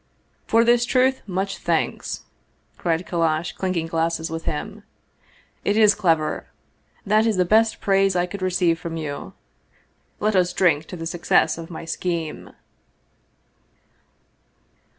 " For this truth much thanks !" cried Kallash, clinking glasses with him. " It is clever that is the best praise I could receive from you. Let us drink to the success of my scheme!